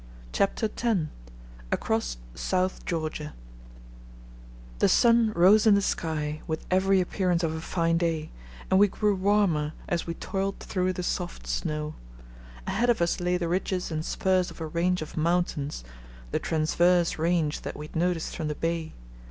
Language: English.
CHAPTER X ACROSS SOUTH GEORGIA The sun rose in the sky with every appearance of a fine day, and we grew warmer as we toiled through the soft snow. Ahead of us lay the ridges and spurs of a range of mountains, the transverse range that we had noticed from the bay.